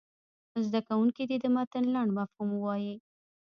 زده کوونکي دې د متن لنډ مفهوم ووایي.